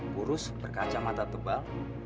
kurus berkaca mata tebal